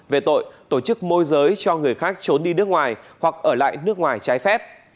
về tội tổ chức môi giới cho người khác trốn đi nước ngoài hoặc ở lại nước ngoài trái phép